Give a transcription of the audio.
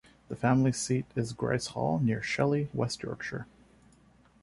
The family seat is Gryce Hall, near Shelley, West Yorkshire.